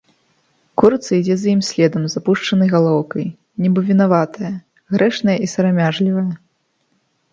Курыца ідзе за ім следам з апушчанай галоўкай, нібы вінаватая, грэшная і сарамяжлівая.